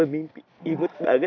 aku mimpi imut banget